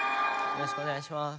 よろしくお願いします。